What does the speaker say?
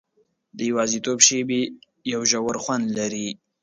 د یوازیتوب شېبې یو ژور خوند لري.